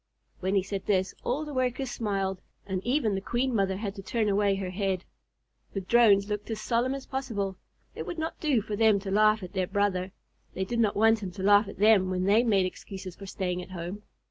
When he said this, all the Workers smiled, and even the Queen Mother had to turn away her head. The Drones looked as solemn as possible. It would not do for them to laugh at their brother. They did not want him to laugh at them when they made excuses for staying at home.